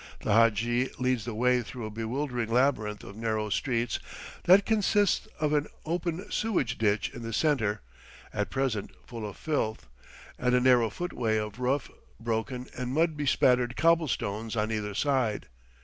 The hadji leads the way through a bewildering labyrinth of narrow streets that consist of an open sewage ditch in the centre, at present full of filth, and a narrow footway of rough, broken, and mud bespattered cobble stones on either side.